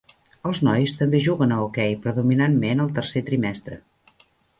Els nois també juguen a hoquei predominantment al tercer trimestre.